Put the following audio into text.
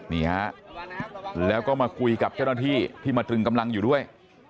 นี่ฮะแล้วก็มาคุยกับเจ้าหน้าที่ที่มาตรึงกำลังอยู่ด้วย